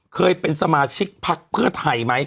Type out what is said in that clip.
เคยเป็นสมาชิกพักเพื่อไทยไหม